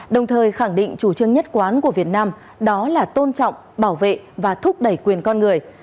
đồng thời khẳng định chủ trương nhất quán của việt nam đó là tôn trọng bảo vệ và thúc đẩy quyền con người